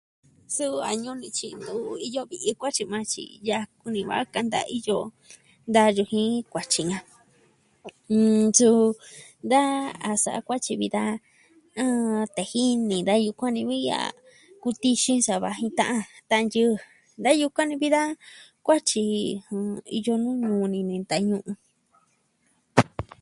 Suu a ñuu ni tyi ntu iyo ve'i kuatyi maa tyi'i ya'a. Kuni va kanta iyo da yujii kuatyi ka. Suu. Da a sa'a kuatyi vi da. Tee jini da yukuan nivi a. Kutixii sava jita'a. Tanyɨ da yukuan ni vi da. Kuatyi iyo nu ñuu ni nenta ñu'un.